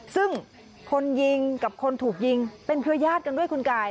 ซึ่งคนยิงกับคนถูกยิงเป็นเครือญาติกันด้วยคุณกาย